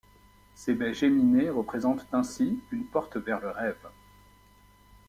Ces baies géminées représentent ainsi une porte vers le rêve.